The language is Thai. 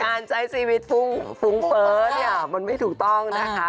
การใช้ชีวิตฟุ้งฟุ้งเฟ้อเนี่ยมันไม่ถูกต้องนะคะ